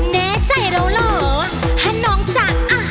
แน่ใจเหล่าเหล่าถ้าน้องจะ